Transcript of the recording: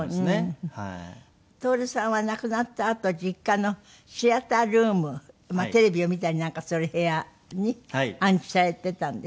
徹さんは亡くなったあと実家のシアタールームテレビを見たりなんかする部屋に安置されていたんですって？